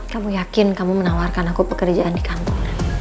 kamu yakin kamu menawarkan aku pekerjaan di kantor